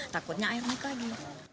takutnya air naik lagi